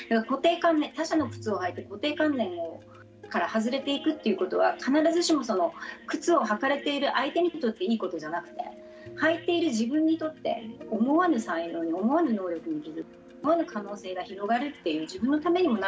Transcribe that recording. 他者の靴を履いて固定観念から外れていくということは必ずしも靴を履かれている相手にとっていいことじゃなくて履いている自分にとって思わぬ才能に思わぬ能力に気付く思わぬ可能性が広がるという自分のためにもなることですよね。